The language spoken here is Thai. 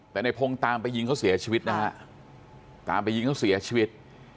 แต่ในพงศ์ตามไปยิงเขาเสียชีวิตนะฮะตามไปยิงเขาเสียชีวิต